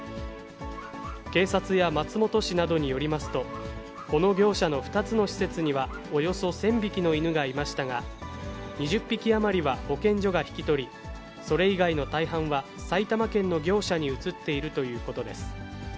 警察や松本市などによりますと、この業者の２つの施設には、およそ１０００匹の犬がいましたが、２０匹余りは保健所が引き取り、それ以外の大半は、埼玉県の業者に移っているということです。